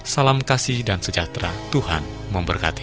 salam kasih dan sejahtera tuhan memberkati